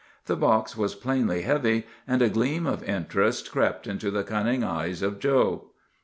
The box was plainly heavy, and a gleam of interest crept into the cunning eyes of Joe.